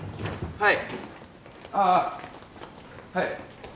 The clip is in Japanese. はい。